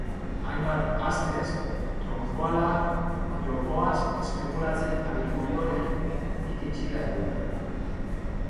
Hainbat astez tronkoala jokoaz espekulatzen aritu ondoren, iritsi da eguna.